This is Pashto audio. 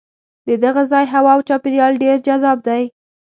د دغه ځای هوا او چاپېریال ډېر جذاب دی.